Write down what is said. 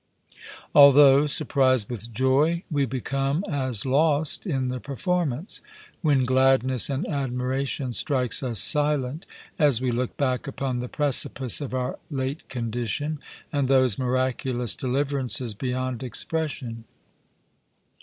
Although, surpris'd with joy, we become as lost in the performance; when gladness and admiration strikes us silent, as we look back upon the precipiece of our late condition, and those miraculous deliverances beyond expression.